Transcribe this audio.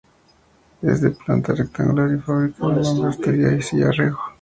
Es de planta rectangular y fábrica de mampostería y sillarejo.